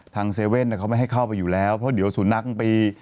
ทางเซเว่นเขาไม่ให้เข้าไปอยู่แล้วเพราะเดี๋ยวสู่นักไป